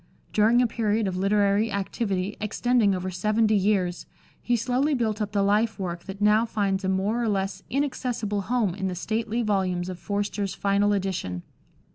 During a period of literary activity extending over seventy years, he slowly built up the life work that now finds a more or less inaccessible home in the stately volumes of Forster's final edition.